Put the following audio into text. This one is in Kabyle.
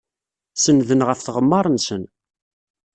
Sennden ɣef tɣemmar-nsen.